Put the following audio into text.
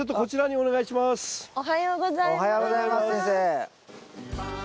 おはようございます先生。